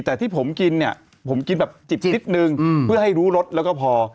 แต่ที่ผมกินเนี่ยผมกินแบบจิบนิดนึงเพื่อให้รู้รสแล้วก็พอ